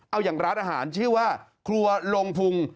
เอาอย่างร้านอาหารชื่อว่าครัวลงพุง